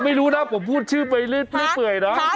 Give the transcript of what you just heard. ไม่รู้นะผมพูดชื่อไปเรื่อยนะ